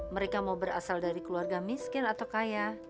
mereka mau berasal dari keluarga miskin atau kaya